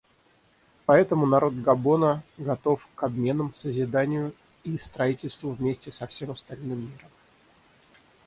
Поэтому народ Габона готов к обменам, созиданию и строительству вместе со всем остальным миром.